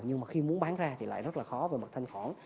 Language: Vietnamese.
nhưng mà khi muốn bán ra thì lại rất là khó về mặt thanh khoản